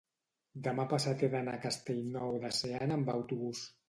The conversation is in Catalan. demà passat he d'anar a Castellnou de Seana amb autobús.